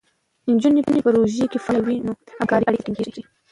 نجونې په پروژو کې فعالې وي، نو همکارۍ اړیکې ټینګېږي.